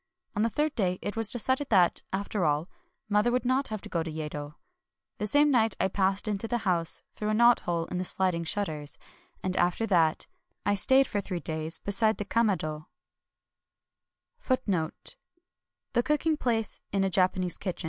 On the third day it was decided that, after all, mother would not have to go to Yedo. The same night I passed into the house through a knot hole in the sliding shutters ;— and after that I stayed for three days beside the ha raado^ Then I entered mother's honorable womb.